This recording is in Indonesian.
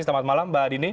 selamat malam mbak dini